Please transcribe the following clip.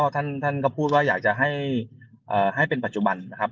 ท่านก็พูดว่าอยากจะให้เป็นปัจจุบันนะครับ